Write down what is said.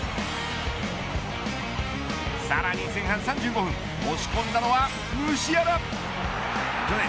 さらに前半３５分押し込んだのはムシアラ。